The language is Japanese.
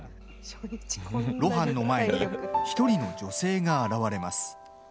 露伴の前に１人の女性が現れます。